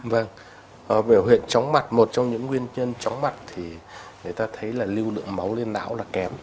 vâng biểu hiện chóng mặt một trong những nguyên nhân chóng mặt thì người ta thấy là lưu lượng máu lên não là kém